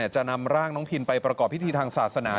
จะนำร่างน้องทินไปประกอบพิธีทางศาสนา